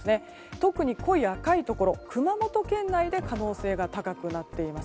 特に濃い赤いところ、熊本県内で可能性が高くなっています。